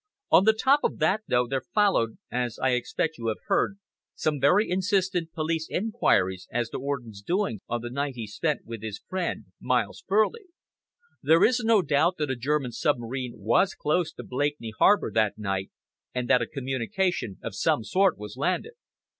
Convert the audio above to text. On the top of that, though, there followed, as I expect you have heard, some very insistent police enquiries as to Orden's doings on the night he spent with his friend Miles Furley. There is no doubt that a German submarine was close to Blakeney harbour that night and that a communication of some sort was landed."